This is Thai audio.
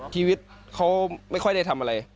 ชีวิตเขาไม่ค่อยได้ทำอะไร